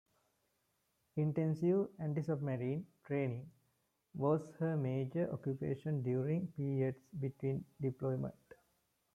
Intensive antisubmarine training was her major occupation during periods between deployment.